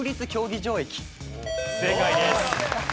正解です。